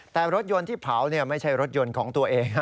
แต่รถยนต์ที่เผาไม่ใช่รถยนต์ของตัวเอง